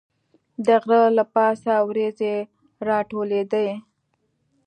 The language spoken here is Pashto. د غره له پاسه وریځې راټولېدې.